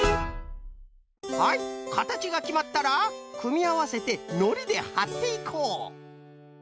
はいかたちがきまったらくみあわせてのりではっていこう。